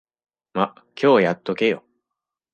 ま、今日やっとけよ。